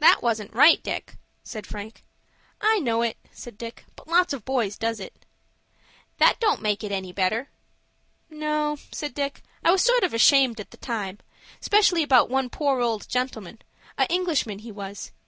"That wasn't right, Dick," said Frank. "I know it," said Dick; "but lots of boys does it." "That don't make it any better." "No," said Dick, "I was sort of ashamed at the time, 'specially about one poor old gentleman,—a Englishman he was.